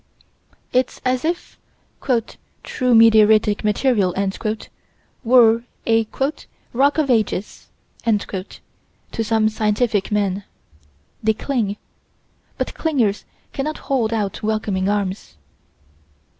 It's as if "true meteoritic material" were a "rock of ages" to some scientific men. They cling. But clingers cannot hold out welcoming arms.